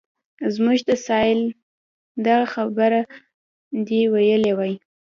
زموږ د سایل دغه خبره دې ویلې وای.